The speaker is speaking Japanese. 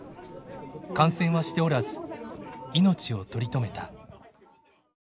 感染はしておらず命を取り留めた。